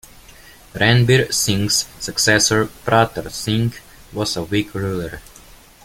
Ranbir Singh's successor Pratap Singh was a weak ruler.